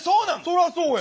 そらそうや。